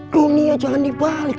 dunia jangan dibalik